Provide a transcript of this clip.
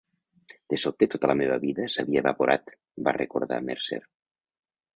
De sobte tota la meva vida s'havia evaporat, va recordar Mercer.